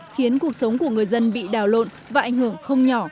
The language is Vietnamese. khiến cuộc sống của người dân bị đào lộn và ảnh hưởng không nhỏ